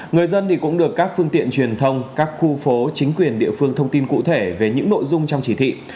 người dân cũng được các phương tiện truyền thông các khu phố chính quyền địa phương thông tin cụ thể về những nội dung trong chỉ thị